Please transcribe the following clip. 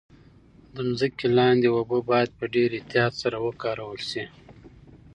د ځمکې لاندې اوبه باید په ډیر احتیاط سره وکارول شي.